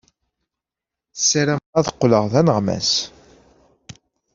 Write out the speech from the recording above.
Ssarameɣ ad qqleɣ d aneɣmas.